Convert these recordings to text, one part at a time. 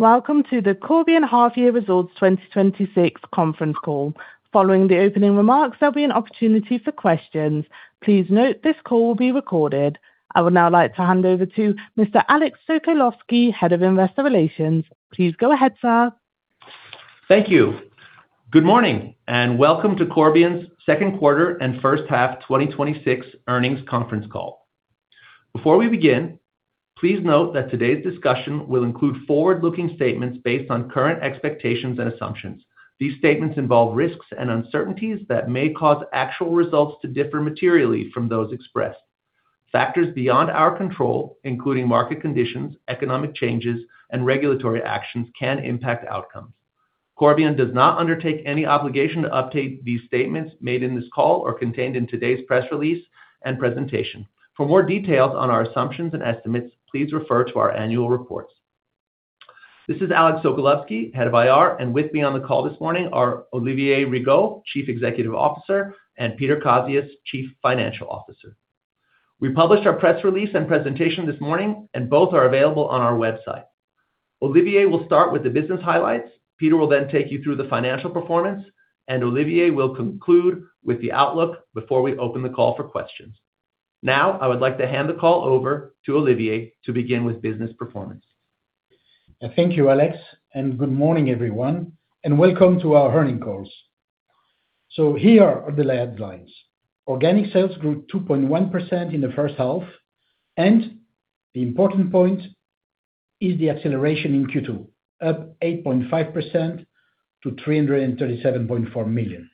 Welcome to the Corbion Half Year Results 2026 Conference Call. Following the opening remarks, there'll be an opportunity for questions. Please note this call will be recorded. I would now like to hand over to Mr. Alex Sokolowski, Head of Investor Relations. Please go ahead, sir. Thank you. Good morning. Welcome to Corbion's second quarter and first half 2026 earnings conference call. Before we begin, please note that today's discussion will include forward-looking statements based on current expectations and assumptions. These statements involve risks and uncertainties that may cause actual results to differ materially from those expressed. Factors beyond our control, including market conditions, economic changes, and regulatory actions, can impact outcomes. Corbion does not undertake any obligation to update these statements made in this call or contained in today's press release and presentation. For more details on our assumptions and estimates, please refer to our annual reports. This is Alex Sokolowski, Head of IR, and with me on the call this morning are Olivier Rigaud, Chief Executive Officer, and Peter Kazius, Chief Financial Officer. We published our press release and presentation this morning, and both are available on our website. Olivier will start with the business highlights. Peter will then take you through the financial performance. Olivier will conclude with the outlook before we open the call for questions. Now, I would like to hand the call over to Olivier to begin with business performance. Thank you, Alex, and good morning, everyone, and welcome to our earnings calls. Here are the headlines. Organic sales grew 2.1% in the first half. The important point is the acceleration in Q2, up 8.5% to 337.4 million.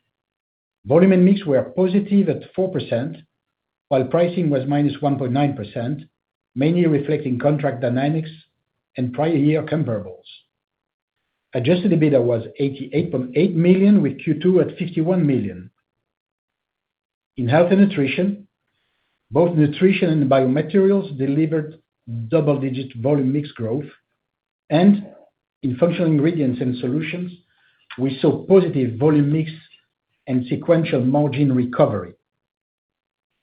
Volume and mix were positive at 4%, while pricing was -1.9%, mainly reflecting contract dynamics and prior year comparables. Adjusted EBITDA was 88.8 million with Q2 at 51 million. In Health & Nutrition, both nutrition and biomaterials delivered double-digit volume mix growth, and in Functional Ingredients & Solutions, we saw positive volume mix and sequential margin recovery.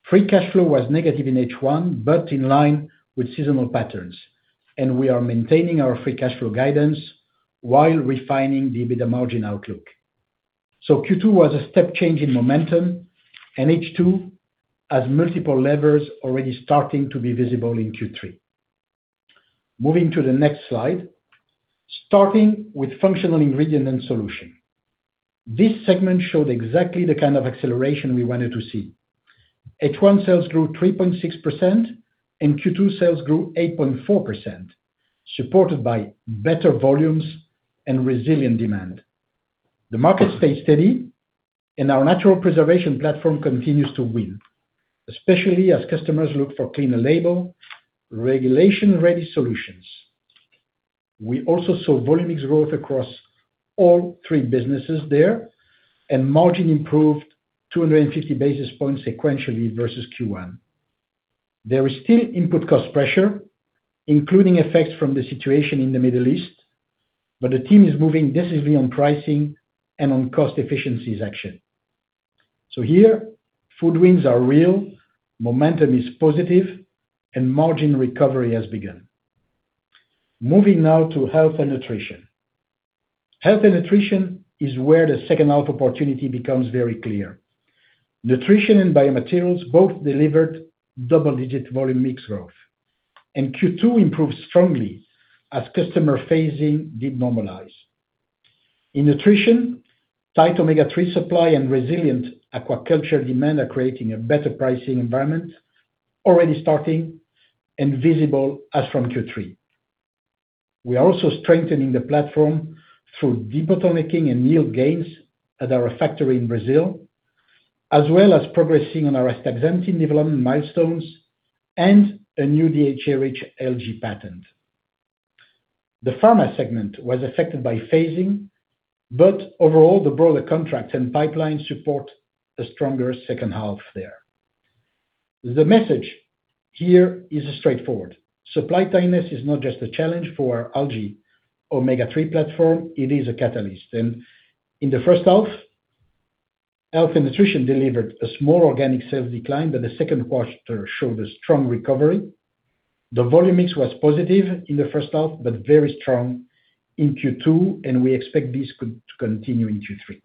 Free cash flow was negative in H1, but in line with seasonal patterns. We are maintaining our free cash flow guidance while refining the EBITDA margin outlook. Q2 was a step change in momentum and H2 has multiple levers already starting to be visible in Q3. Moving to the next slide, starting with Functional Ingredients & Solutions. This segment showed exactly the kind of acceleration we wanted to see. H1 sales grew 3.6%, and Q2 sales grew 8.4%, supported by better volumes and resilient demand. The market stayed steady, and our natural preservation platform continues to win, especially as customers look for cleaner label, regulation-ready solutions. We also saw volume mix growth across all three businesses there, and margin improved 250 basis points sequentially versus Q1. There is still input cost pressure, including effects from the situation in the Middle East, but the team is moving decisively on pricing and on cost efficiencies action. Here, food wins are real, momentum is positive, and margin recovery has begun. Moving now to Health & Nutrition. Health & Nutrition is where the second half opportunity becomes very clear. Nutrition and biomaterials both delivered double-digit volume mix growth, and Q2 improved strongly as customer phasing did normalize. In nutrition, tight omega-3 supply and resilient aquaculture demand are creating a better pricing environment, already starting and visible as from Q3. We are also strengthening the platform through debottlenecking and yield gains at our factory in Brazil, as well as progressing on our astaxanthin development milestones and a new DHA-rich algae patent. The pharma segment was affected by phasing, but overall, the broader contracts and pipelines support a stronger second half there. The message here is straightforward. Supply tightness is not just a challenge for our algae omega-3 platform, it is a catalyst. In the first half, Health & Nutrition delivered a small organic sales decline, but the second quarter showed a strong recovery. The volume mix was positive in the first half, but very strong in Q2, and we expect this to continue in Q3.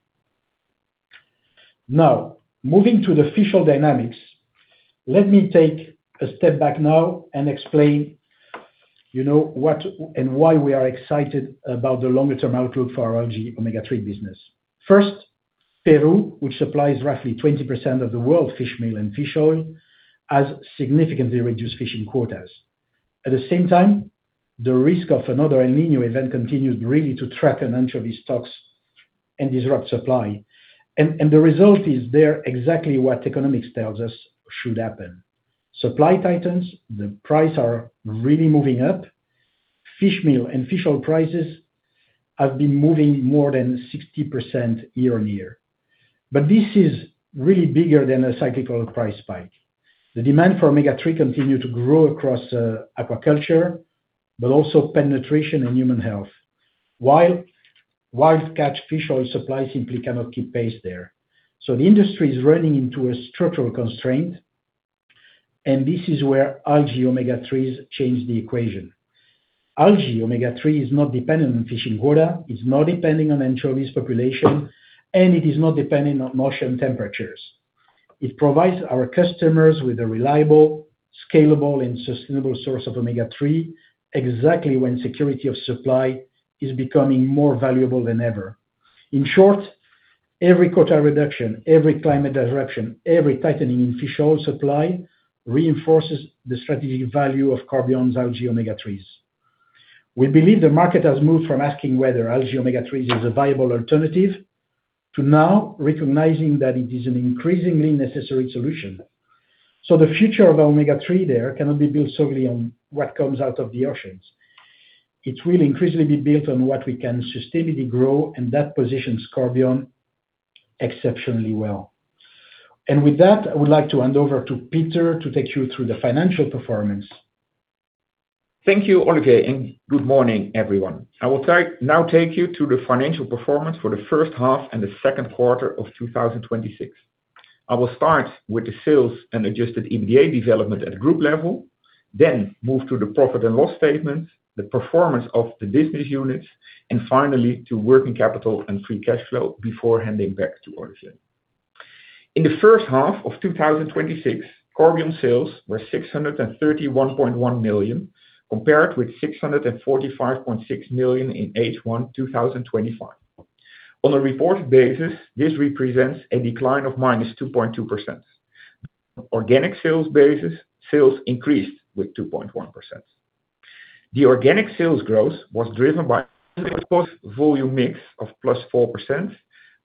Now, moving to the official dynamics, let me take a step back now and explain what and why we are excited about the longer-term outlook for our algae omega-3 business. First, Peru, which supplies roughly 20% of the world's fish meal and fish oil, has significantly reduced fishing quotas. At the same time, the risk of another El Niño event continues really to track anchovy stocks and disrupt supply, and the result is there, exactly what economics tells us should happen. Supply tightens, the price are really moving up. Fish meal and fish oil prices have been moving more than 60% year-on-year. This is really bigger than a cyclical price spike. The demand for omega-3 continue to grow across aquaculture, but also penetration in human health, while catch fish oil supply simply cannot keep pace there. The industry is running into a structural constraint. This is where algae omega-3s change the equation. Algae omega-3 is not dependent on fishing quota, it's not dependent on anchovies population, and it is not dependent on ocean temperatures. It provides our customers with a reliable, scalable, and sustainable source of omega-3, exactly when security of supply is becoming more valuable than ever. In short, every quota reduction, every climate disruption, every tightening in fish oil supply reinforces the strategic value of Corbion's algae omega-3s. We believe the market has moved from asking whether algae omega-3s is a viable alternative, to now recognizing that it is an increasingly necessary solution. The future of omega-3 there cannot be built solely on what comes out of the oceans. It will increasingly be built on what we can sustainably grow, and that positions Corbion exceptionally well. With that, I would like to hand over to Peter to take you through the financial performance. Thank you, Olivier, and good morning, everyone. I will now take you to the financial performance for the first half and the second quarter of 2026. I will start with the sales and adjusted EBITDA development at group level, then move to the profit and loss statement, the performance of the business units, and finally to working capital and free cash flow before handing back to Olivier. In the first half of 2026, Corbion sales were 631.1 million, compared with 645.6 million in H1 2025. On a reported basis, this represents a decline of -2.2%. Organic sales basis, sales increased with 2.1%. The organic sales growth was driven by volume mix of +4%,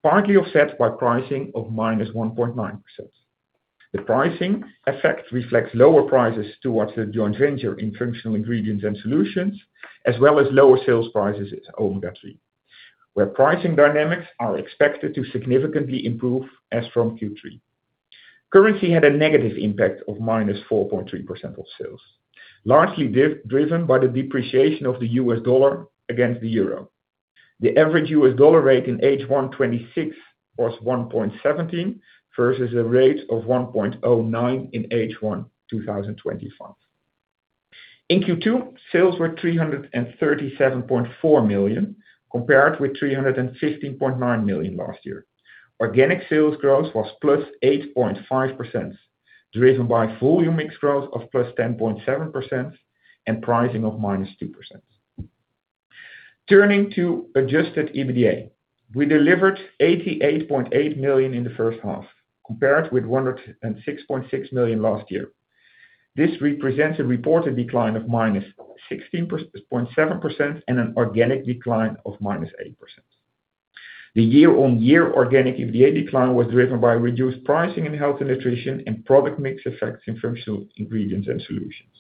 partly offset by pricing of -1.9%. The pricing effect reflects lower prices towards the joint venture in Functional Ingredients & Solutions, as well as lower sales prices at omega-3, where pricing dynamics are expected to significantly improve as from Q3. Currency had a negative impact of -4.3% of sales, largely driven by the depreciation of the U.S. dollar against the euro. The average U.S. dollar rate in H1 2026 was 1.17 versus a rate of 1.09 in H1 2025. In Q2, sales were 337.4 million, compared with 315.9 million last year. Organic sales growth was +8.5%, driven by volume mix growth of +10.7% and pricing of -2%. Turning to adjusted EBITDA, we delivered 88.8 million in the first half, compared with 106.6 million last year. This represents a reported decline of -16.7% and an organic decline of -8%. The year-on-year organic EBITDA decline was driven by reduced pricing in Health & Nutrition and product mix effects in Functional Ingredients & Solutions.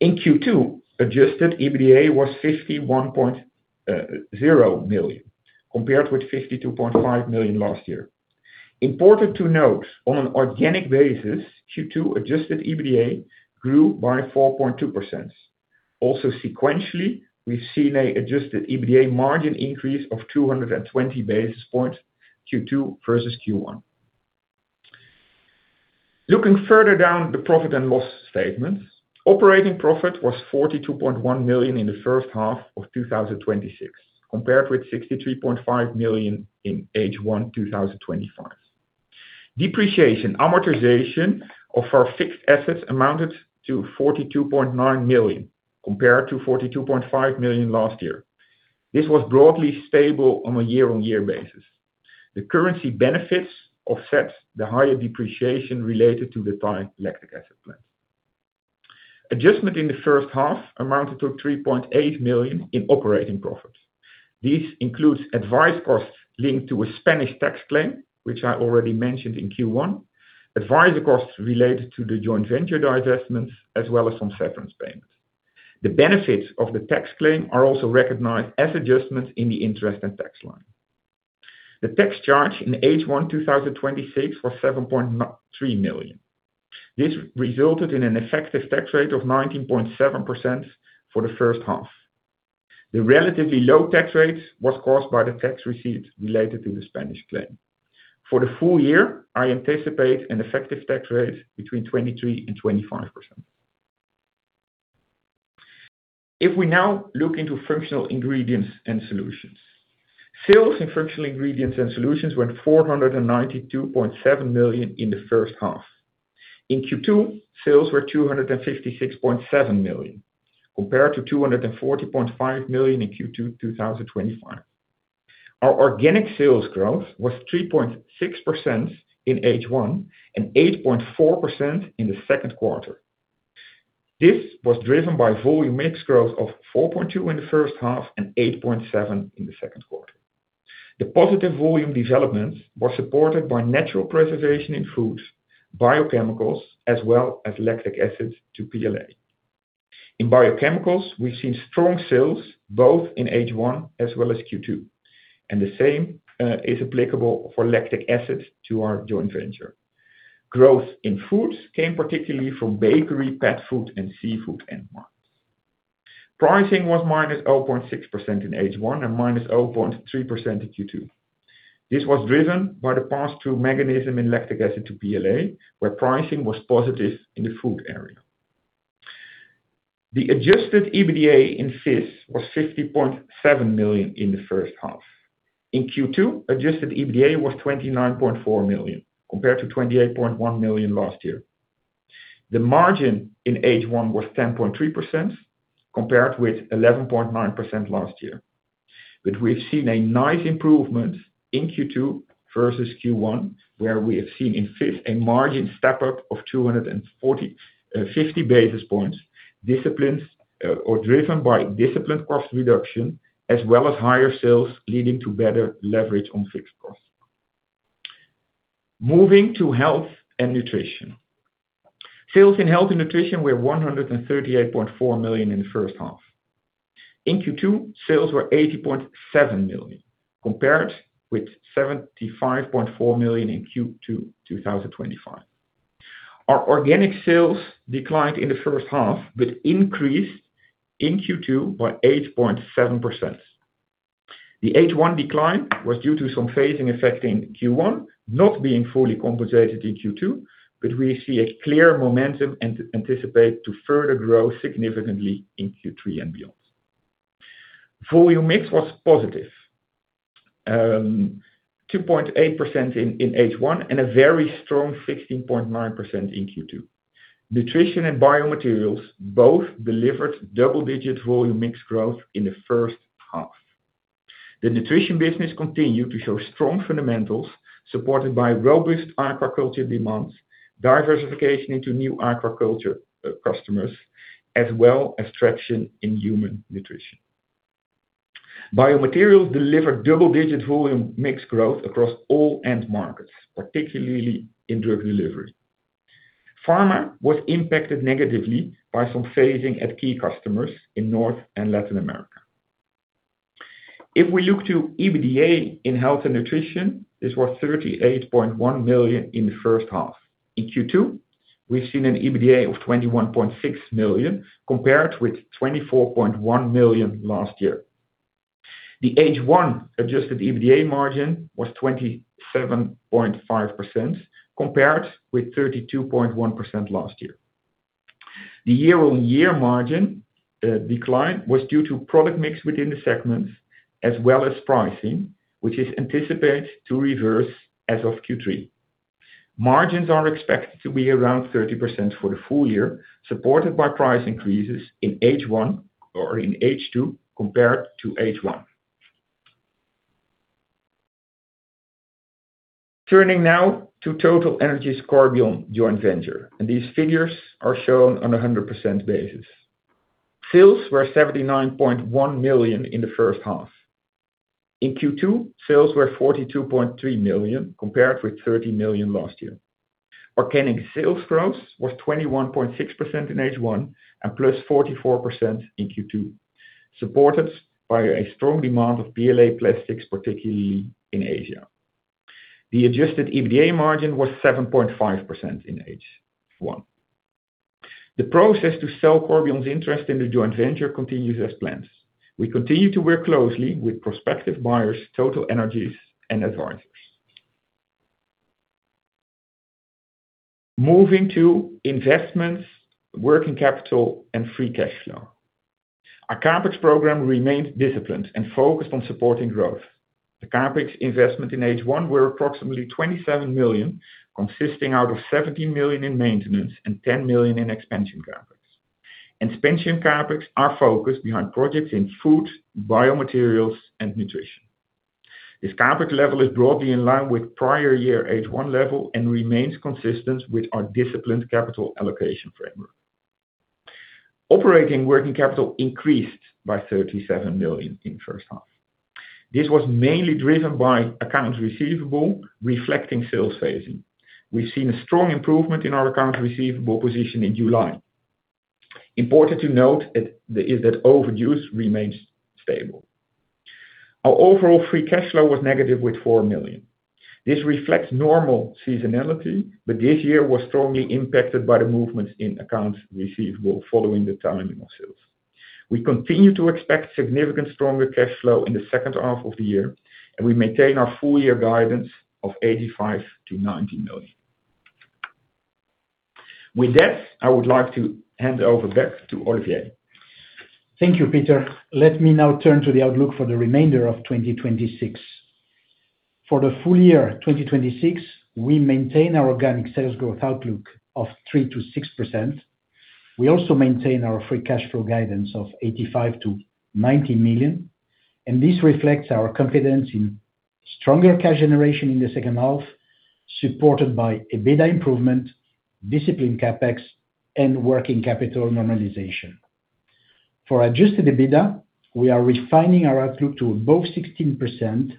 In Q2, adjusted EBITDA was 51.0 million, compared with 52.5 million last year. Important to note, on an organic basis, Q2 adjusted EBITDA grew by 4.2%. Also sequentially, we've seen a adjusted EBITDA margin increase of 220 basis points Q2 versus Q1. Looking further down the profit and loss statement, operating profit was 42.1 million in the first half of 2026, compared with 63.5 million in H1 2025. Depreciation, amortization of our fixed assets amounted to 42.9 million, compared to 42.5 million last year. This was broadly stable on a year-on-year basis. The currency benefits offset the higher depreciation related to the dedicated lactic acid plant. Adjustment in the first half amounted to 3.8 million in operating profits. This includes advice costs linked to a Spanish tax claim, which I already mentioned in Q1, advisory costs related to the joint venture divestments, as well as some severance payments. The benefits of the tax claim are also recognized as adjustments in the interest and tax line. The tax charge in H1 2026 was 7.3 million. This resulted in an effective tax rate of 19.7% for the first half. The relatively low tax rate was caused by the tax receipt related to the Spanish claim. For the full year, I anticipate an effective tax rate between 23%-25%. If we now look into Functional Ingredients & Solutions. Sales in Functional Ingredients & Solutions were 492.7 million in the first half. In Q2, sales were 256.7 million, compared to 240.5 million in Q2 2025. Our organic sales growth was 3.6% in H1 and 8.4% in the second quarter. This was driven by volume mix growth of 4.2% in the first half and 8.7% in the second quarter. The positive volume development was supported by natural preservation in foods, biochemicals, as well as lactic acid to PLA. In biochemicals, we've seen strong sales both in H1 as well as Q2, and the same is applicable for lactic acid to our joint venture. Growth in foods came particularly from bakery, pet food, and seafood end markets. Pricing was -0.6% in H1 and -0.3% in Q2. This was driven by the pass-through mechanism in lactic acid to PLA, where pricing was positive in the food area. The adjusted EBITDA in FIS was 50.7 million in the first half. In Q2, adjusted EBITDA was 29.4 million compared to 28.1 million last year. The margin in H1 was 10.3% compared with 11.9% last year. We have seen a nice improvement in Q2 versus Q1, where we have seen in FIS a margin step-up of 250 basis points, driven by disciplined cost reduction as well as higher sales, leading to better leverage on fixed costs. Moving to Health & Nutrition. Sales in Health & Nutrition were 138.4 million in the first half. In Q2, sales were 80.7 million compared with 75.4 million in Q2 2025. Our organic sales declined in the first half but increased in Q2 by 8.7%. The H1 decline was due to some phasing effect in Q1, not being fully compensated in Q2, but we see a clear momentum and anticipate to further grow significantly in Q3 and beyond. Volume mix was positive. 2.8% in H1 and a very strong 16.9% in Q2. Nutrition and Biomaterials both delivered double-digit volume mix growth in the first half. The nutrition business continued to show strong fundamentals supported by robust aquaculture demands, diversification into new aquaculture customers, as well as traction in human nutrition. Biomaterials delivered double-digit volume mix growth across all end markets, particularly in drug delivery. Pharma was impacted negatively by some phasing at key customers in North and Latin America. If we look to EBITDA in Health & Nutrition, this was 38.1 million in the first half. In Q2, we've seen an EBITDA of 21.6 million compared with 24.1 million last year. The H1 adjusted EBITDA margin was 27.5% compared with 32.1% last year. The year-on-year margin decline was due to product mix within the segments as well as pricing, which is anticipated to reverse as of Q3. Margins are expected to be around 30% for the full year, supported by price increases in H1 or in H2 compared to H1. Turning now to TotalEnergies Corbion joint venture, these figures are shown on a 100% basis. Sales were 79.1 million in the first half. In Q2, sales were 42.3 million compared with 30 million last year. Organic sales growth was 21.6% in H1 and +44% in Q2, supported by a strong demand of PLA plastics, particularly in Asia. The adjusted EBITDA margin was 7.5% in H1. The process to sell Corbion's interest in the joint venture continues as planned. We continue to work closely with prospective buyers, TotalEnergies and advisers. Moving to investments, working capital, and free cash flow. Our CapEx program remains disciplined and focused on supporting growth. The CapEx investment in H1 were approximately 27 million, consisting out of 17 million in maintenance and 10 million in expansion CapEx. Expansion CapEx are focused behind projects in food, biomaterials, and nutrition. This CapEx level is broadly in line with prior year H1 level and remains consistent with our disciplined capital allocation framework. Operating working capital increased by 37 million in the first half. This was mainly driven by accounts receivable reflecting sales phasing. We've seen a strong improvement in our accounts receivable position in July. Important to note is that overdues remains stable. Our overall free cash flow was negative with 4 million. This reflects normal seasonality, but this year was strongly impacted by the movements in accounts receivable following the timing of sales. We continue to expect significant stronger cash flow in the second half of the year, and we maintain our full year guidance of 85 million-90 million. With that, I would like to hand over back to Olivier. Thank you, Peter. Let me now turn to the outlook for the remainder of 2026. For the full year 2026, we maintain our organic sales growth outlook of 3%-6%. We also maintain our free cash flow guidance of 85 million-90 million, and this reflects our confidence in stronger cash generation in the second half, supported by EBITDA improvement, disciplined CapEx, and working capital normalization. For adjusted EBITDA, we are refining our outlook to above 16%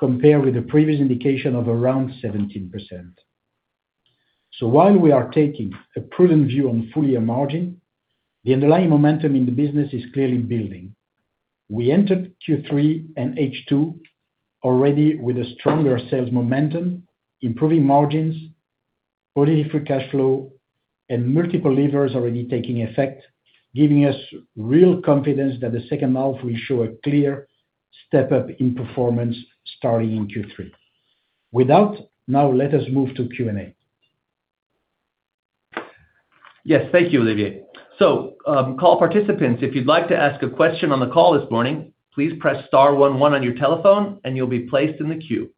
compared with the previous indication of around 17%. While we are taking a prudent view on full year margin, the underlying momentum in the business is clearly building. We entered Q3 and H2 already with a stronger sales momentum, improving margins, free cash flow and multiple levers already taking effect, giving us real confidence that the second half will show a clear step up in performance starting in Q3. With that, now let us move to Q&A. Yes. Thank you, Olivier. Call participants, if you'd like to ask a question on the call this morning, please press star one one on your telephone and you'll be placed in the queue.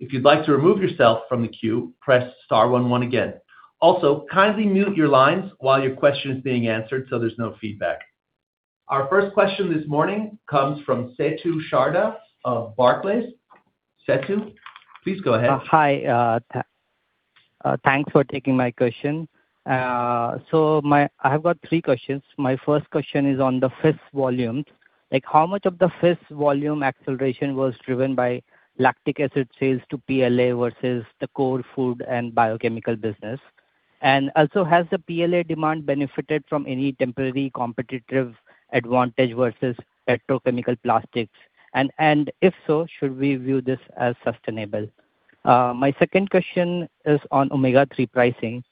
If you'd like to remove yourself from the queue, press star one one again. Also, kindly mute your lines while your question is being answered so there's no feedback. Our first question this morning comes from Setu Sharda of Barclays. Setu, please go ahead. Hi, thanks for taking my question. I've got three questions. My first question is on the FIS volume. How much of the FIS volume acceleration was driven by lactic acid sales to PLA versus the core food and biochemical business? Has the PLA demand benefited from any temporary competitive advantage versus petrochemical plastics? If so, should we view this as sustainable? My second question is on omega-3 pricing.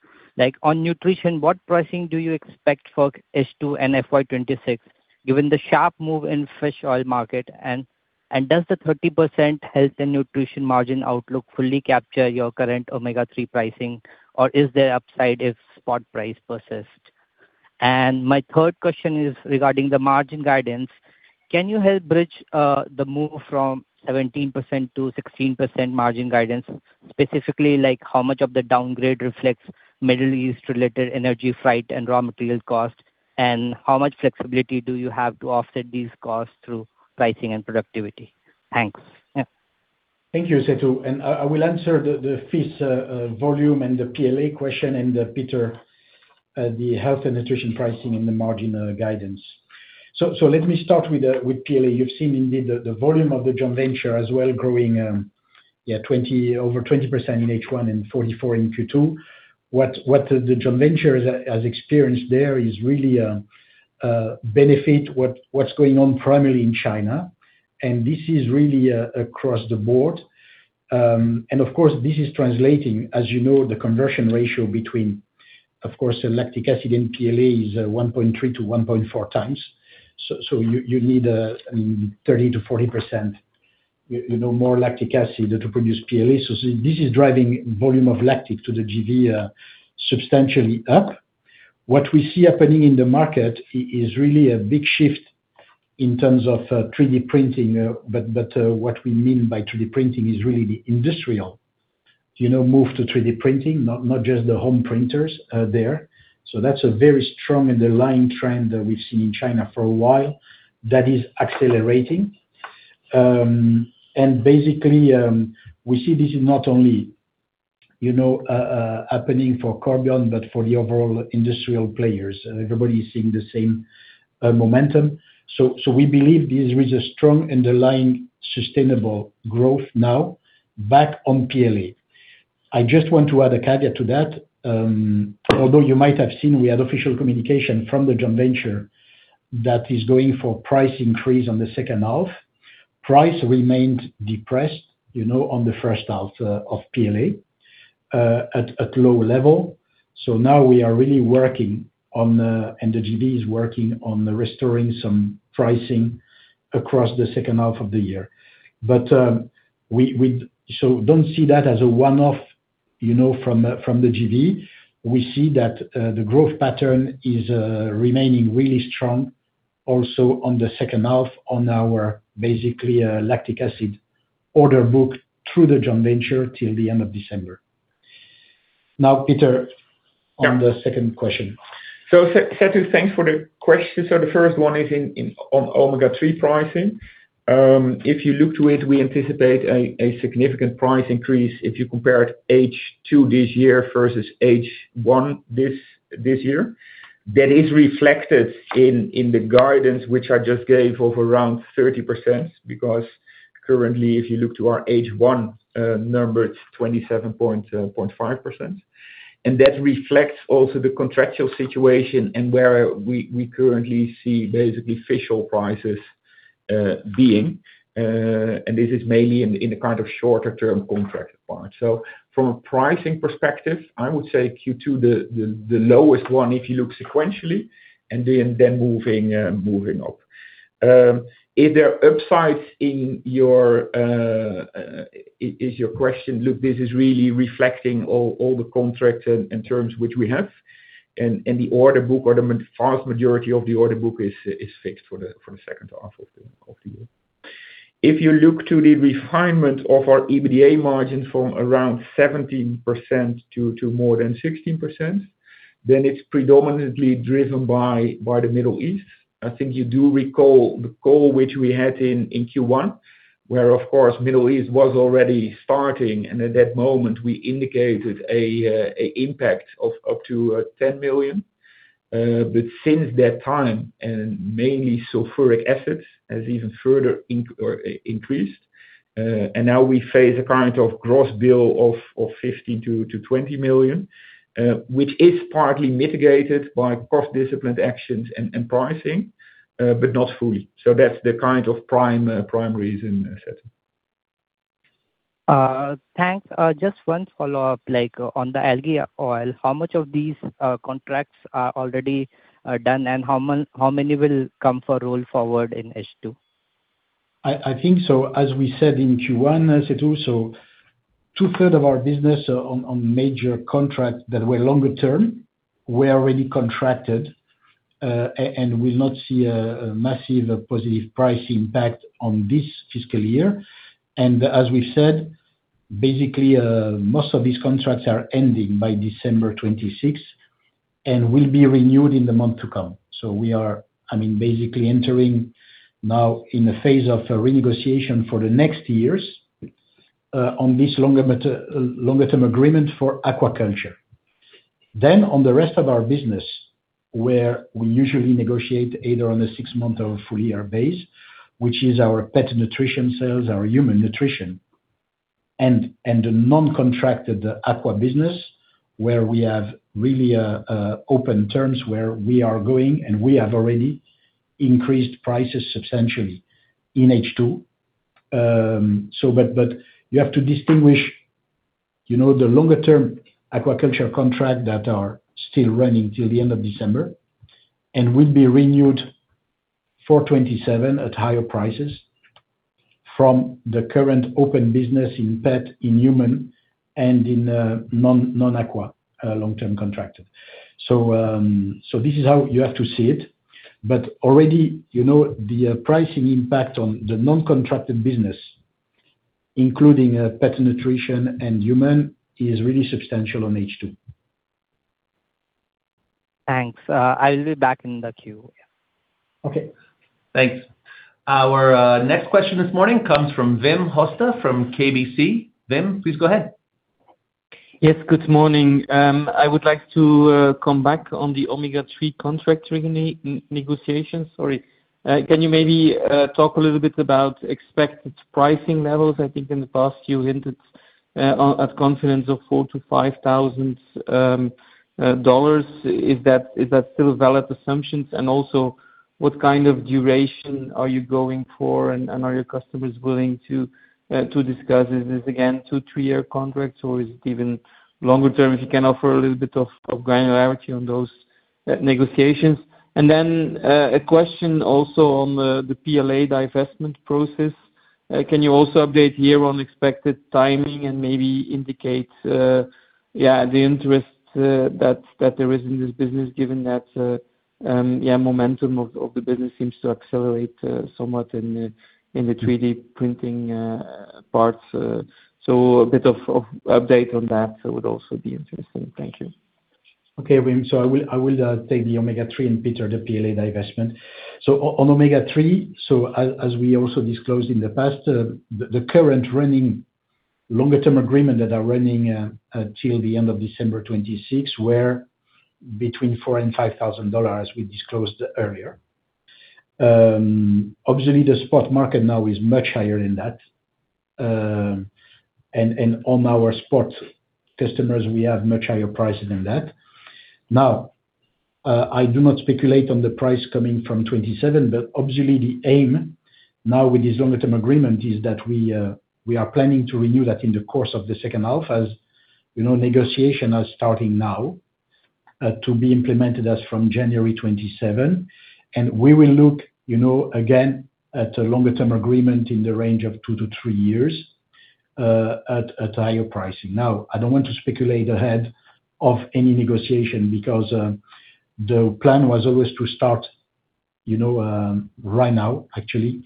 On nutrition, what pricing do you expect for H2 and FY 2026, given the sharp move in fish oil market? Does the 30% Health & Nutrition margin outlook fully capture your current omega-3 pricing, or is there upside if spot price persists? My third question is regarding the margin guidance. Can you help bridge the move from 17% to 16% margin guidance? Specifically, how much of the downgrade reflects Middle East related energy price and raw material cost, how much flexibility do you have to offset these costs through pricing and productivity? Thanks. Thank you, Setu, I will answer the FIS volume and the PLA question, Peter, the Health & Nutrition pricing and the margin guidance. Let me start with PLA. You've seen indeed the volume of the JV as well, growing over 20% in H1 and 44% in Q2. What the JV has experienced there is really a benefit, what's going on primarily in China, this is really across the board. Of course, this is translating, as you know, the conversion ratio between, of course, lactic acid and PLA is 1.3-1.4x. You need 30% to 40% more lactic acid to produce PLA. This is driving volume of lactic to the JV substantially up. What we see happening in the market is really a big shift in terms of 3D printing. What we mean by 3D printing is really the industrial move to 3D printing, not just the home printers there. That's a very strong underlying trend that we've seen in China for a while, that is accelerating. Basically, we see this is not only happening for Corbion, but for the overall industrial players. Everybody is seeing the same momentum. We believe this is a strong, underlying, sustainable growth now. Back on PLA, I just want to add a caveat to that. Although you might have seen we had official communication from the joint venture that is going for price increase on the second half. Price remained depressed on the first half of PLA at low level. Now we are really working on, and the JV is working on restoring some pricing across the second half of the year. Don't see that as a one-off from the JV. We see that the growth pattern is remaining really strong also on the second half on our basically lactic acid order book through the joint venture till the end of December. Now, Peter, on the second question. Setu, thanks for the question. The first one is on omega-3 pricing. If you look to it, we anticipate a significant price increase if you compare H2 this year versus H1 this year. That is reflected in the guidance, which I just gave of around 30%, because currently, if you look to our H1 number, it's 27.5%. That reflects also the contractual situation and where we currently see basically official prices being, and this is mainly in the kind of shorter term contract part. From a pricing perspective, I would say Q2 the lowest one, if you look sequentially, then moving up. If there are upsides is your question. Look, this is really reflecting all the contracts and terms which we have, and the order book, or the vast majority of the order book is fixed for the second half of the year. If you look to the refinement of our EBITDA margin from around 17% to more than 16%, then it's predominantly driven by the Middle East. I think you do recall the call which we had in Q1, where, of course, Middle East was already starting, and at that moment, we indicated an impact of up to 10 million. Since that time, and mainly sulfuric acid, has even further increased. Now we face a kind of gross bill of 15 million-20 million, which is partly mitigated by cost discipline actions and pricing, but not fully. That's the kind of prime reason, Setu. Thanks. Just one follow-up on the algae oil, how much of these contracts are already done, and how many will come for roll forward in H2? I think so, as we said in Q1, as it also two-thirds of our business on major contracts that were longer term were already contracted, and will not see a massive positive price impact on this fiscal year. As we've said, basically, most of these contracts are ending by December 2026, and will be renewed in the month to come. We are basically entering now in the phase of a renegotiation for the next years, on this longer-term agreement for aquaculture. On the rest of our business, where we usually negotiate either on a six-month or a full-year basis, which is our pet nutrition sales, our human nutrition and the non-contracted aqua business, where we have really open terms where we are going, and we have already increased prices substantially in H2. You have to distinguish the longer-term aquaculture contracts that are still running until the end of December and will be renewed for 2027 at higher prices from the current open business in pet, in human, and in non-aqua, long-term contracted. This is how you have to see it. Already, the pricing impact on the non-contracted business, including pet nutrition and human, is really substantial on H2. Thanks. I'll be back in the queue. Okay. Thanks. Our next question this morning comes from Wim Hoste from KBC. Wim, please go ahead. Yes, good morning. I would like to come back on the omega-3 contract negotiations. Sorry. Can you maybe talk a little bit about expected pricing levels? I think in the past you hinted at confidence of EUR 4,000-EUR 5,000. Is that still a valid assumption? Also, what kind of duration are you going for, and are your customers willing to discuss this again, two, three-year contracts or is it even longer term? If you can offer a little bit of granularity on those negotiations. Then, a question also on the PLA divestment process. Can you also update here on expected timing and maybe indicate the interest that there is in this business given that momentum of the business seems to accelerate somewhat in the 3D printing parts. A bit of update on that would also be interesting. Thank you. Okay, Wim. I will take the omega-3 and Peter, the PLA divestment. On omega-3, as we also disclosed in the past, the current running longer term agreement that are running until the end of December 2026, were between 4,000 and EUR 5,000, we disclosed earlier. Obviously, the spot market now is much higher than that. And on our spot customers, we have much higher pricing than that. I do not speculate on the price coming from 2027, but obviously the aim now with this longer term agreement is that we are planning to renew that in the course of the second half as negotiation are starting now, to be implemented as from January 2027. We will look, again, at a longer-term agreement in the range of two to three years, at higher pricing. I don't want to speculate ahead of any negotiation because the plan was always to start right now, actually,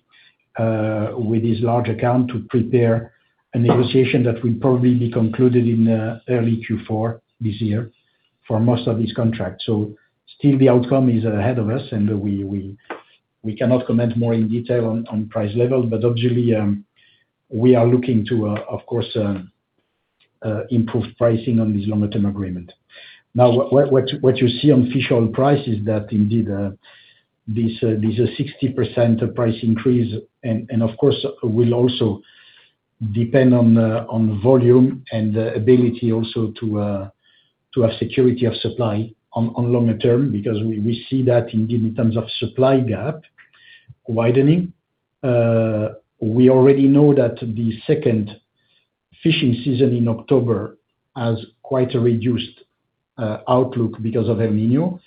with this large account to prepare a negotiation that will probably be concluded in early Q4 this year for most of these contracts. Still the outcome is ahead of us and we cannot comment more in detail on price level. Obviously, we are looking to, of course, improve pricing on this longer term agreement. What you see on fish oil prices that indeed, this 60% price increase and, of course, will also depend on volume and the ability also to have security of supply on longer term, because we see that indeed, in terms of supply gap widening. We already know that the second fishing season in October has quite a reduced outlook because of El Niño.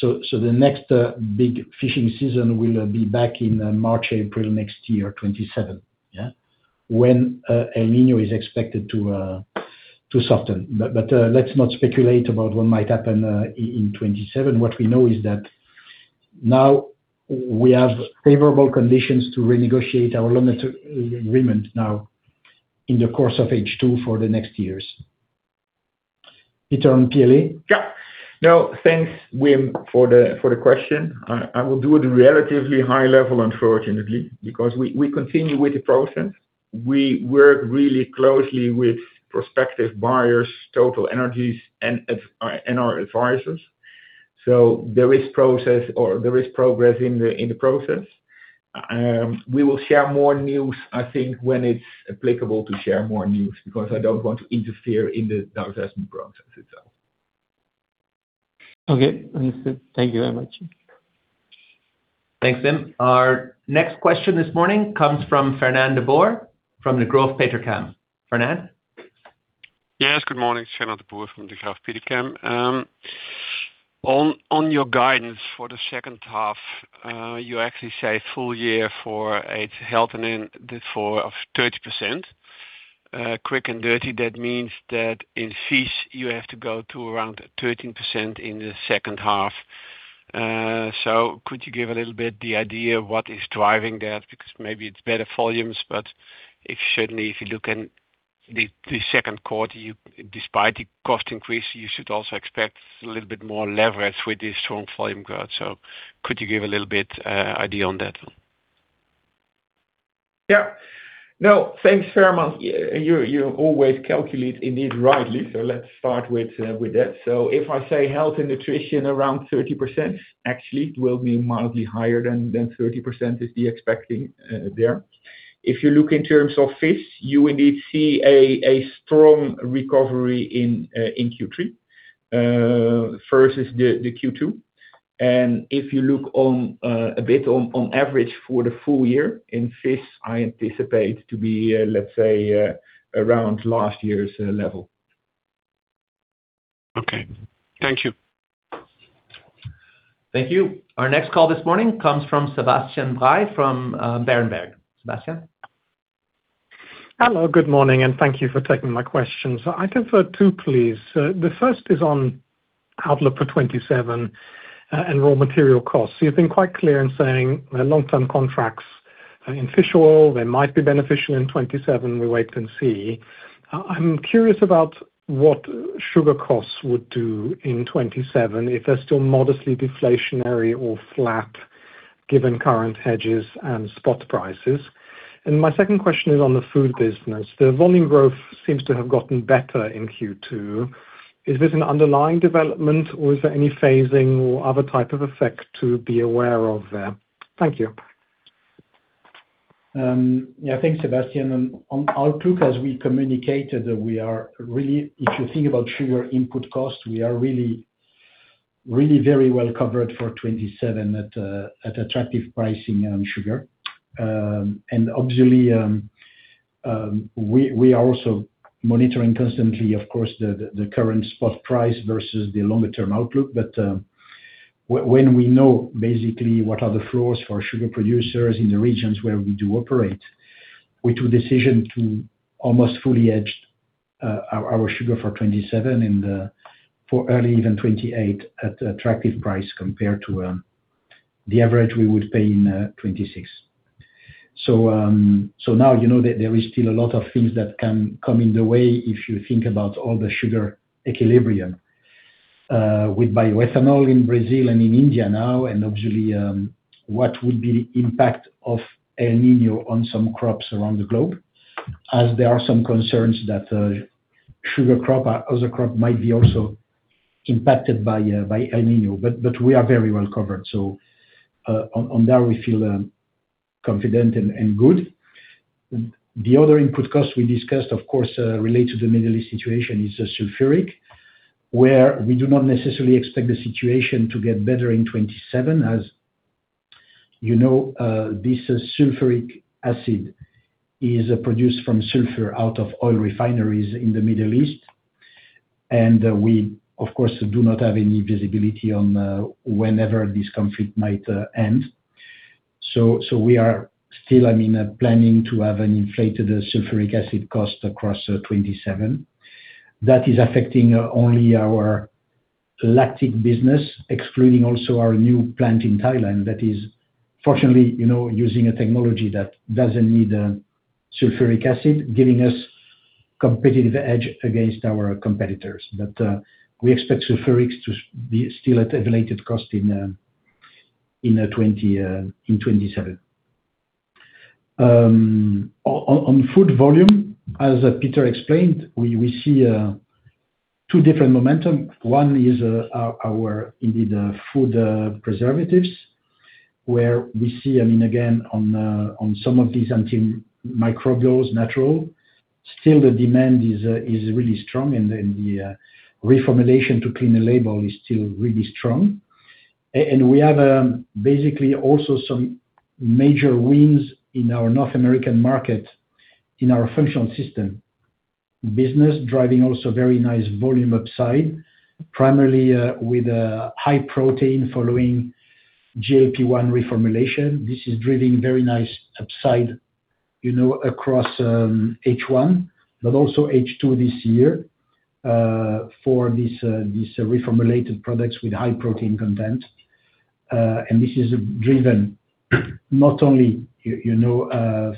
The next big fishing season will be back in March, April next year, 2027, yeah? When El Niño is expected to soften. Let's not speculate about what might happen in 2027. What we know is that now we have favorable conditions to renegotiate our longer term agreement now in the course of H2 for the next years. Peter, on PLA? Yeah. No, thanks, Wim, for the question. I will do it relatively high level unfortunately, because we continue with the process. We work really closely with prospective buyers, TotalEnergies and our advisors. There is progress in the process. We will share more news, I think, when it's applicable to share more news, because I don't want to interfere in the divestment process itself. Okay, understood. Thank you very much. Thanks, Wim. Our next question this morning comes from Fernand de Boer from Degroof Petercam. Fernand? Yes, good morning. Fernand de Boer from Degroof Petercam. On your guidance for the second half, you actually say full year for its Health & Nutrition of 30%. Quick and dirty, that means that in FIS, you have to go to around 13% in the second half. Could you give a little bit the idea what is driving that? Maybe it's better volumes, but certainly if you look in the second quarter, despite the cost increase, you should also expect a little bit more leverage with the strong volume growth. Could you give a little bit idea on that? Yeah. Thanks, Fernand. You always calculate indeed rightly, let's start with that. If I say Health & Nutrition around 30%, actually it will be mildly higher than 30% is the expecting there. If you look in terms of FIS, you indeed see a strong recovery in Q3 versus the Q2. If you look a bit on average for the full year, in FIS, I anticipate to be, let's say, around last year's level. Okay. Thank you. Thank you. Our next call this morning comes from Sebastian Bray from Berenberg. Sebastian? Hello, good morning, and thank you for taking my questions. I can throw two, please. The first is on outlook for 2027 and raw material costs. You've been quite clear in saying long-term contracts in fish oil, they might be beneficial in 2027, we wait and see. I'm curious about what sugar costs would do in 2027 if they're still modestly deflationary or flat, given current hedges and spot prices. My second question is on the food business. The volume growth seems to have gotten better in Q2. Is this an underlying development, or is there any phasing or other type of effect to be aware of there? Thank you. Yeah. Thanks, Sebastian. On outlook, as we communicated, if you think about sugar input cost, we are really very well covered for 2027 at attractive pricing on sugar. Obviously, we are also monitoring constantly, of course, the current spot price versus the longer-term outlook. When we know basically what are the flows for sugar producers in the regions where we do operate, we took decision to almost fully hedge our sugar for 2027 and for early even 2028 at attractive price compared to the average we would pay in 2026. You know there is still a lot of things that can come in the way if you think about all the sugar equilibrium, with bioethanol in Brazil and in India now, what would be the impact of El Niño on some crops around the globe, as there are some concerns that other crop might be also impacted by El Niño. We are very well covered. On that we feel confident and good. The other input cost we discussed, of course, related to the Middle East situation is the sulfuric acid, where we do not necessarily expect the situation to get better in 2027. As you know, this sulfuric acid is produced from sulfur out of oil refineries in the Middle East, we, of course, do not have any visibility on whenever this conflict might end. We are still planning to have an inflated sulfuric acid cost across 2027. That is affecting only our lactic business, excluding also our new plant in Thailand. That is fortunately using a technology that doesn't need sulfuric acid, giving us competitive edge against our competitors. We expect sulfurics to be still at a related cost in 2027. On food volume, as Peter explained, we see two different momentum. One is our, indeed food preservatives, where we see, again, on some of these antimicrobials, natural, still the demand is really strong, and the reformulation to clean the label is still really strong. We have basically also some major wins in our North American market in our functional system business, driving also very nice volume upside, primarily with high protein following GLP-1 reformulation. This is driving very nice upside across H1, but also H2 this year, for these reformulated products with high protein content. This is driven not only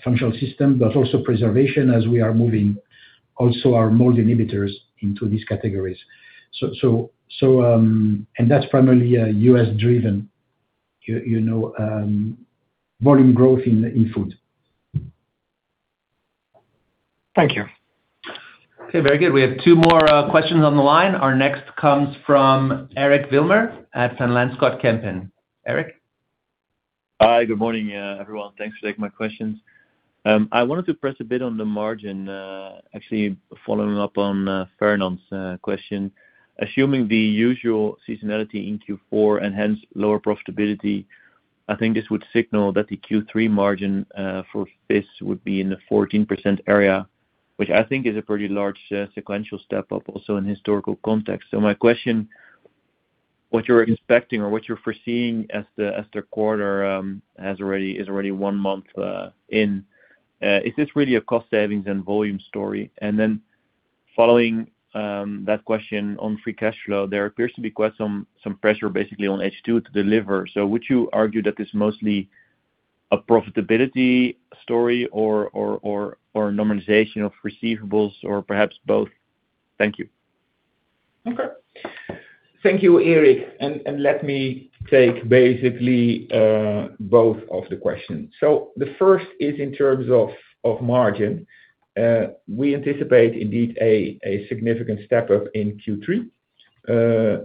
Functional Ingredients & Solutions, but also preservation as we are moving also our mold inhibitors into these categories. That's primarily U.S.-driven volume growth in food. Thank you. Okay, very good. We have two more questions on the line. Our next comes from Eric Wilmer at Van Lanschot Kempen. Eric? Hi. Good morning, everyone. Thanks for taking my questions. I wanted to press a bit on the margin, actually following up on Fernand's question. Assuming the usual seasonality in Q4 and hence lower profitability, I think this would signal that the Q3 margin for FIS would be in the 14% area, which I think is a pretty large sequential step up also in historical context. My question, what you're expecting or what you're foreseeing as the quarter is already one month in, is this really a cost savings and volume story? Then following that question on free cash flow, there appears to be quite some pressure basically on H2 to deliver. Would you argue that it's mostly a profitability story or normalization of receivables or perhaps both? Thank you. Okay. Thank you, Eric, and let me take basically both of the questions. The first is in terms of margin. We anticipate indeed a significant step up in Q3.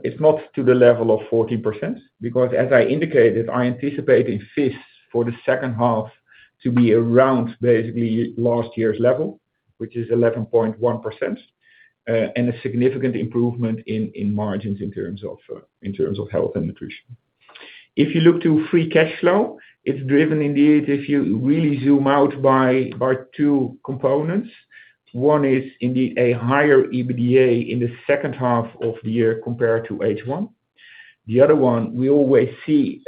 It's not to the level of 14%, because as I indicated, I anticipate in FIS for the second half to be around basically last year's level, which is 11.1%, and a significant improvement in margins in terms of Health & Nutrition. If you look to free cash flow, it's driven indeed, if you really zoom out, by two components. One is indeed a higher EBITDA in the second half of the year compared to H1. The other one, we always see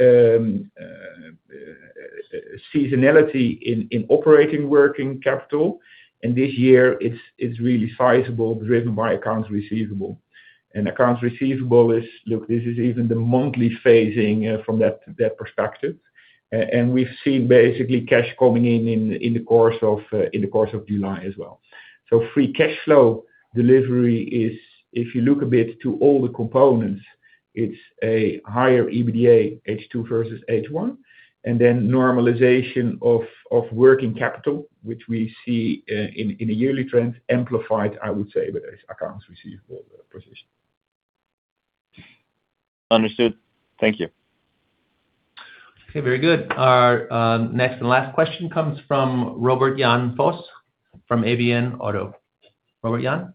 seasonality in operating working capital, and this year it's really sizable, driven by accounts receivable. Accounts receivable is, look, this is even the monthly phasing from that perspective. We've seen basically cash coming in in the course of July as well. Free cash flow delivery is, if you look a bit to all the components, it's a higher EBITDA H2 versus H1, normalization of working capital, which we see in a yearly trend amplified, I would say, with this accounts receivable position. Understood. Thank you. Okay, very good. Our next and last question comes from Robert Jan Vos from ABN AMRO. Robert Jan?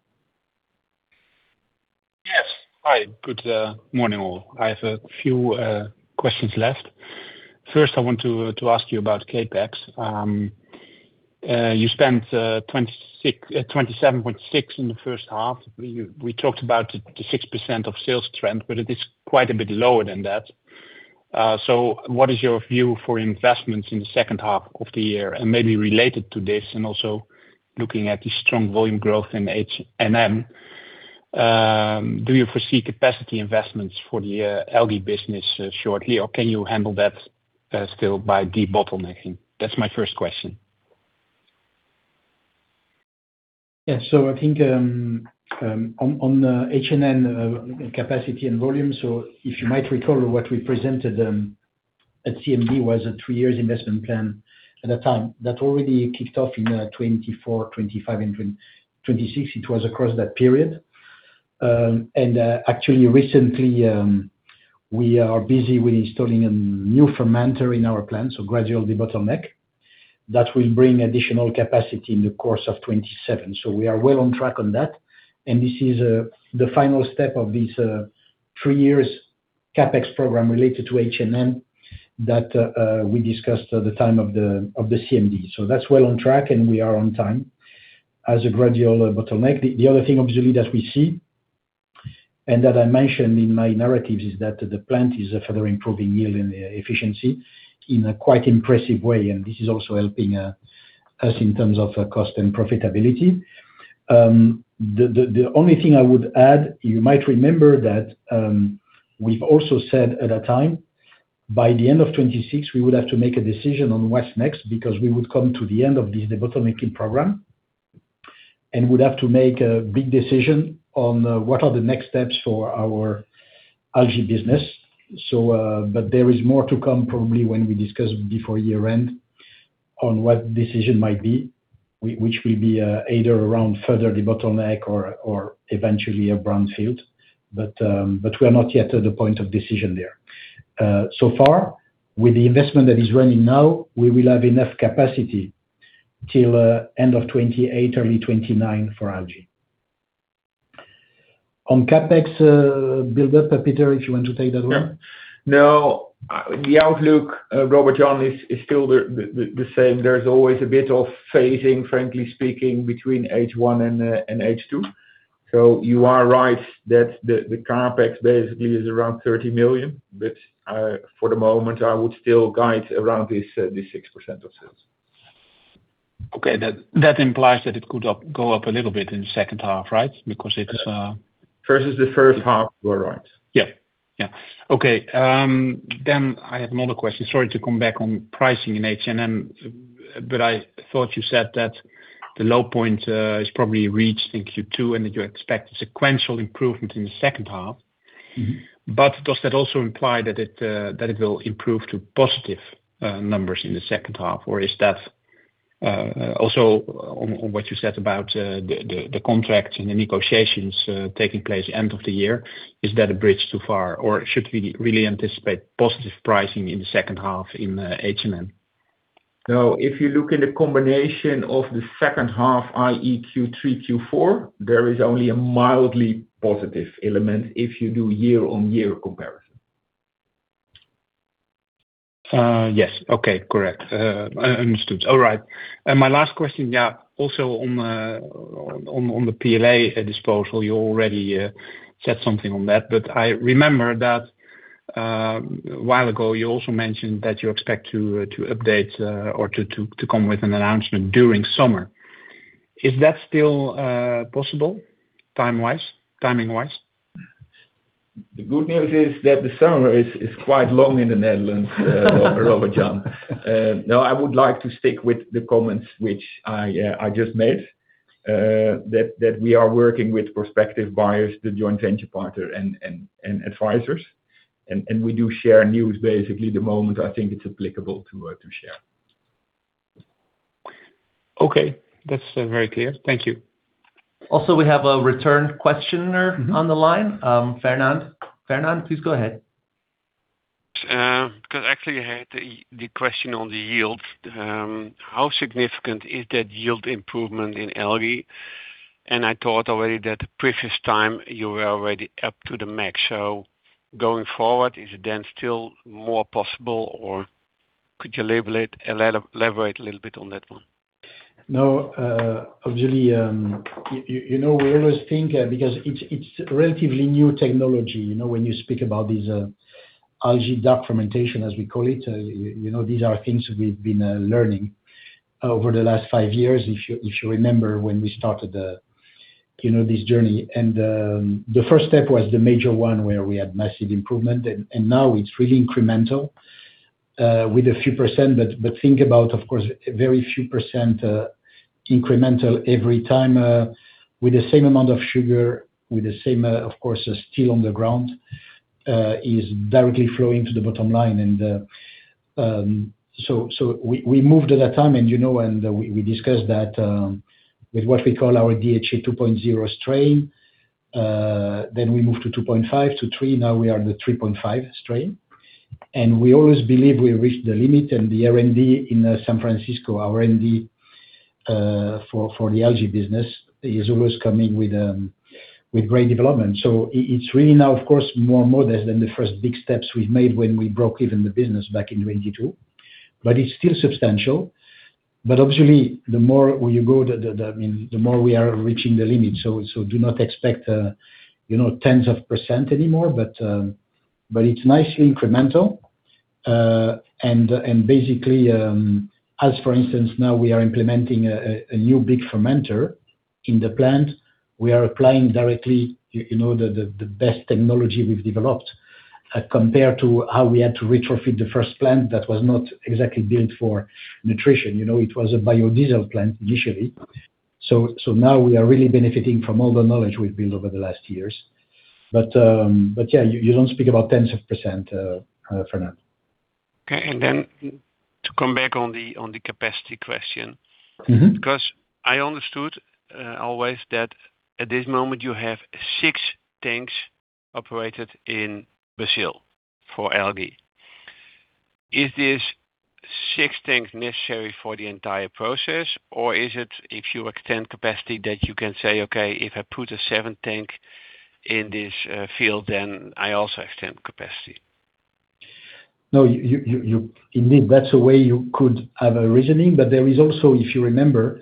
Yes. Hi, good morning, all. I have a few questions left. First, I want to ask you about CapEx. You spent 27.6 in the first half. It is quite a bit lower than that. What is your view for investments in the second half of the year? Maybe related to this and also looking at the strong volume growth in H&N, do you foresee capacity investments for the algae business shortly, or can you handle that still by debottlenecking? That's my first question. I think on the H&N capacity and volume, if you might recall what we presented at CMD was a three years investment plan at that time. That already kicked off in 2024, 2025 and 2026. It was across that period. Actually recently, we are busy with installing a new fermenter in our plant, gradual debottleneck. That will bring additional capacity in the course of 2027. We are well on track on that, and this is the final step of this three years CapEx program related to H&N that we discussed at the time of the CMD. That's well on track and we are on time as a gradual debottleneck. The other thing, obviously, that we see and that I mentioned in my narrative is that the plant is further improving yield and efficiency in a quite impressive way. This is also helping us in terms of cost and profitability. The only thing I would add, you might remember that we've also said at that time, by the end of 2026, we would have to make a decision on what's next, because we would come to the end of this debottlenecking program and would have to make a big decision on what are the next steps for our algae business. There is more to come probably when we discuss before year-end on what the decision might be, which will be either around further debottleneck or eventually a brownfield. We're not yet at the point of decision there. Far, with the investment that is running now, we will have enough capacity till end of 2028, early 2029 for algae. On CapEx buildup, Peter, if you want to take that one? No. The outlook, Robert Jan, is still the same. There's always a bit of phasing, frankly speaking, between H1 and H2. You are right that the CapEx basically is around 30 million, but for the moment, I would still guide around this 6% of sales. Okay. That implies that it could go up a little bit in the second half, right? Versus the first half, you are right. Yeah. Okay. I have another question. Sorry to come back on pricing in H&N, I thought you said that the low point is probably reached in Q2 and that you expect sequential improvement in the second half. Does that also imply that it will improve to positive numbers in the second half? Is that also, on what you said about the contract and the negotiations taking place end of the year, a bridge too far, or should we really anticipate positive pricing in the second half in H&N? No, if you look in the combination of the second half, i.e., Q3, Q4, there is only a mildly positive element if you do year-on-year comparison. Yes. Okay. Correct. Understood. All right. My last question, also on the PLA disposal, you already said something on that. I remember that a while ago, you also mentioned that you expect to update or to come with an announcement during summer. Is that still possible timing wise? The good news is that the summer is quite long in the Netherlands, Robert Jan. No, I would like to stick with the comments which I just made, that we are working with prospective buyers, the joint venture partner, and advisors, and we do share news basically the moment I think it's applicable to share. Okay. That's very clear. Thank you. We have a return questioner on the line. Fernand. Fernand, please go ahead. Actually, I had the question on the yield. How significant is that yield improvement in algae? I thought already that previous time you were already up to the max. Going forward, is it then still more possible, or could you elaborate a little bit on that one? No, obviously, we always think because it's relatively new technology, when you speak about these algae dark fermentation, as we call it. These are things we've been learning over the last five years, if you remember when we started this journey. The first step was the major one where we had massive improvement, now it's really incremental, with a few percent. Think about, of course, a very few percent incremental every time with the same amount of sugar, with the same, of course, still on the ground is directly flowing to the bottom line. We moved at that time, and we discussed that with what we call our DHA 2.0 strain. We moved to 2.5-3, now we are the 3.5 strain. We always believe we reached the limit. The R&D in San Francisco, our R&D for the algae business is always coming with great development. It's really now, of course, more modest than the first big steps we've made when we broke even the business back in 2022, but it's still substantial. Obviously, the more we are reaching the limit. Do not expect tens of percent anymore. It's nicely incremental. Basically, as for instance, now we are implementing a new big fermenter in the plant. We are applying directly the best technology we've developed, compared to how we had to retrofit the first plant that was not exactly built for nutrition. It was a biodiesel plant initially. Now we are really benefiting from all the knowledge we've built over the last years. Yeah, you don't speak about tens of percent, Fernand. Okay. To come back on the capacity question. I understood always that at this moment you have six tanks operated in Brazil for algae. Is this six tanks necessary for the entire process, or is it if you extend capacity that you can say, "Okay, if I put a seventh tank in this field, I also extend capacity"? No, indeed, that's a way you could have a reasoning. There is also, if you remember,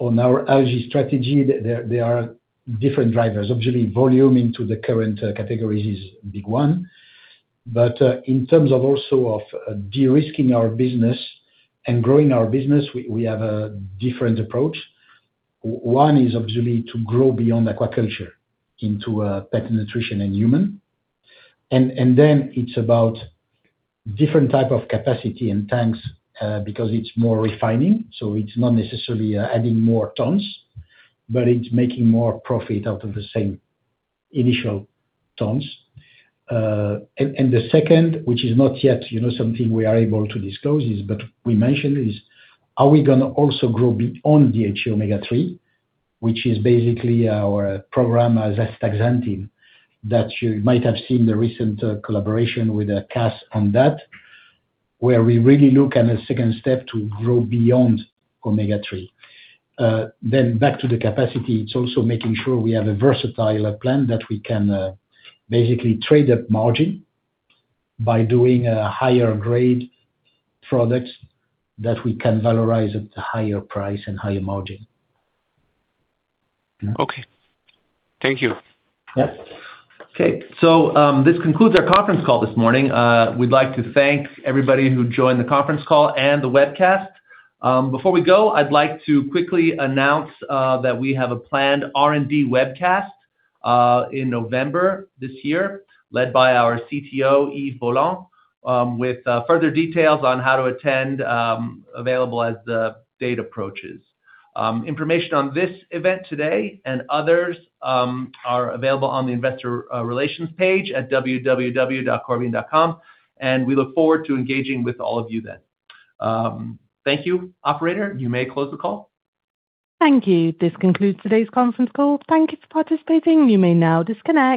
on our algae strategy, there are different drivers. Obviously, volume into the current categories is a big one. In terms of also of de-risking our business and growing our business, we have a different approach. One is obviously to grow beyond aquaculture into pet nutrition and human. It's about different type of capacity and tanks, because it's more refining, so it's not necessarily adding more tons, but it's making more profit out of the same initial tons. The second, which is not yet something we are able to disclose is, but we mentioned is, are we going to also grow beyond DHA omega-3, which is basically our program as astaxanthin, that you might have seen the recent collaboration with KAS on that, where we really look at a second step to grow beyond omega-3. Back to the capacity, it is also making sure we have a versatile plan that we can basically trade up margin by doing a higher grade product that we can valorize at a higher price and higher margin. Okay. Thank you. Yes. This concludes our conference call this morning. We would like to thank everybody who joined the conference call and the webcast. Before we go, I would like to quickly announce that we have a planned R&D webcast in November this year, led by our CTO, Yves Boland, with further details on how to attend available as the date approaches. Information on this event today and others are available on the investor relations page at www.corbion.com. We look forward to engaging with all of you then. Thank you. Operator, you may close the call. Thank you. This concludes today's conference call. Thank you for participating. You may now disconnect.